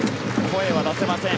声は出せません。